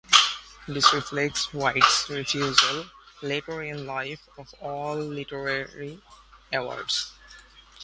This reflects White's refusal, later in life, of all literary awards.